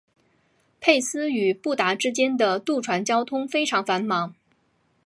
佩斯与布达之间的渡船交通非常繁忙。